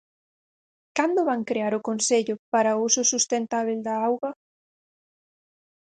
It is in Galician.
¿Cando van crear o Consello para o uso sustentábel da auga?